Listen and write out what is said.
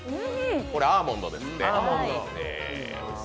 それ、アーモンドですって。